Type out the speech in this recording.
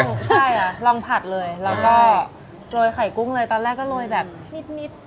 ใช่อะลองผัสเลยเราก็ล้อยไข่กุ้งเลยตอนแรกก็ล้อยแบบนิด